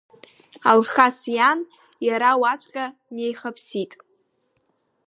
Алхас иан иара уаҵәҟьа днеихаԥсит…